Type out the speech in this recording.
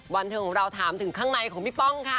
วันที่เราถามถึงข้างในของพี่ป้องค่ะ